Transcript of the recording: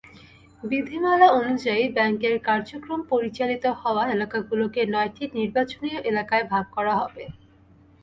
বিধিমালা অনুযায়ী, ব্যাংকের কার্যক্রম পরিচালিত হওয়া এলাকাগুলোকে নয়টি নির্বাচনী এলাকায় ভাগ করা হবে।